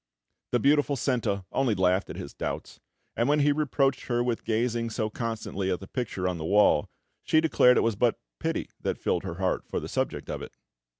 The beautiful Senta only laughed at his doubts; and when he reproached her with gazing so constantly at the picture on the wall, she declared it was but pity that filled her heart for the subject of it.